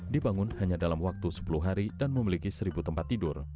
dibangun hanya dalam waktu sepuluh hari dan memiliki seribu tempat tidur